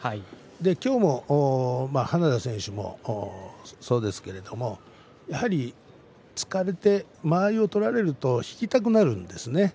きょうも花田選手もそうですけれどやはり、突かれて間合いを取られると引きたくなるんですよね。